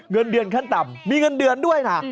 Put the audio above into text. เงินเดือนขั้นต่ำมีเงินเดือนด้วยนะ